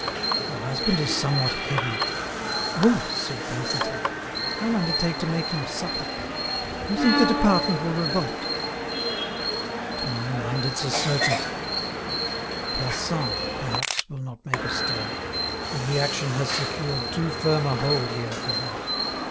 Your husband is somewhat heavy—" "Oh!" said Félicité, "I'll undertake to make him supple. Do you think the department will revolt?" "To my mind it's a certainty. Plassans, perhaps, will not make a stir; the reaction has secured too firm a hold here for that.